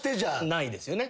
ないですよね。